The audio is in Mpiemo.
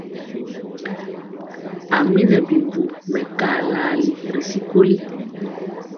A mi nɛ bimbu mɛkalali ri sikoli.